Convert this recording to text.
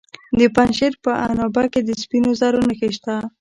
د پنجشیر په عنابه کې د سپینو زرو نښې شته.